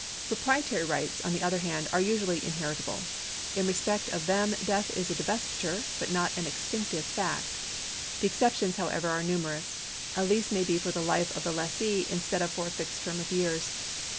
Proprietary rights, on the other hand, are usually in heritable. In respect of them death is a divestitive, but not an extinctive fact. The exceptions, however, are numerous. A lease may be for the life of the lessee instead of for a fixed term of years.